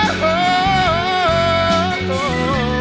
ใส่ว่าที่บ่อทิมการ